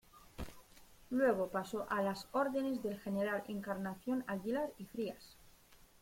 Luego pasó a las órdenes del general Encarnación Aguilar y Frías.